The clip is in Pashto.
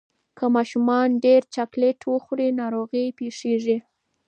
که ماشومان ډیر چاکلېټ وخوري، ناروغي پېښېږي.